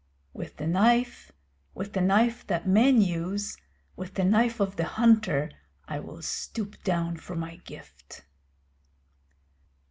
With the knife, with the knife that men use, with the knife of the hunter, I will stoop down for my gift.